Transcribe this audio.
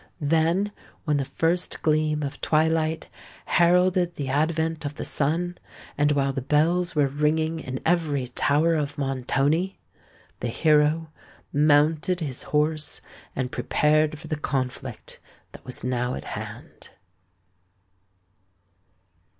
Then, when the first gleam of twilight heralded the advent of the sun, and while the bells were ringing in every tower of Montoni, the hero mounted his horse and prepared for the conflict that was now at hand.